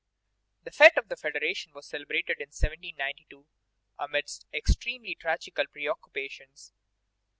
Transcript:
The fête of the Federation was celebrated in 1792 amidst extremely tragical preoccupations.